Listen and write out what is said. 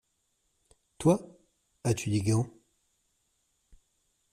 Toi ?… as-tu des gants ?